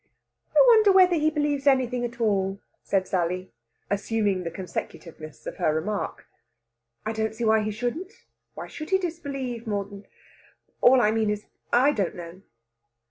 "I wonder whether he believes anything at all!" said Sally, assuming the consecutiveness of her remark. "I don't see why he shouldn't.... Why should he disbelieve more than...? All I mean is, I don't know."